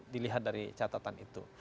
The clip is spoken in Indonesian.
dilihat dari catatan itu